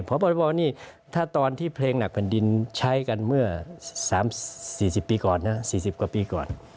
พบนี่ถ้าตอนที่เพลงหนักแผ่นดินใช้กันเมื่อ๓๔๐ปีก่อนนะ๔๐กว่าปีก่อน